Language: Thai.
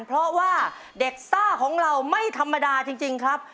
เพราะว่าเด็กซ่าของเราไม่ธรรมดาจริงครับ